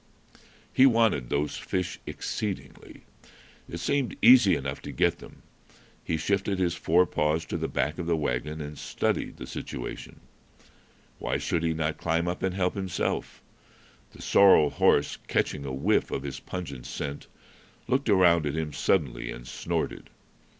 He wanted those fish exceedingly. It seemed easy enough to get them. He shifted his fore paws to the back of the wagon, and studied the situation. Why should he not climb up and help himself? The sorrel horse, catching a whiff of his pungent scent, looked around at him suddenly and snorted.